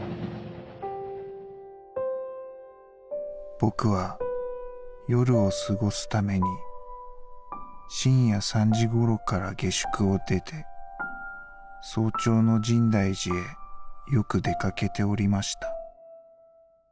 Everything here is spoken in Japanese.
「僕は夜を過ごす為に深夜３時頃から下宿を出て早朝の深大寺へよく出掛けておりました。